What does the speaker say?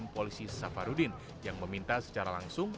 polisi safarudin yang meminta secara langsung